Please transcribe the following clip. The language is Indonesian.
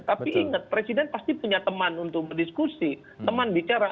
tapi ingat presiden pasti punya teman untuk berdiskusi teman bicara